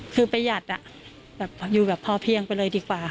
คือประหยัดอยู่แบบพอเพียงไปเลยดีกว่า